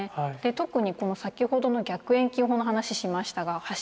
特にこの先ほどの逆遠近法の話しましたが柱の。